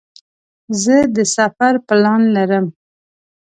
زه د سفر پلان لرم.